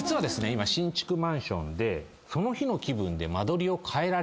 今新築マンションでその日の気分で。